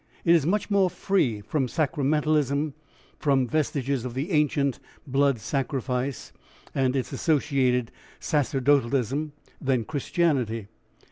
It is much more free from sacramentalism, from vestiges of the ancient blood sacrifice, and its associated sacerdotalism, than Christianity.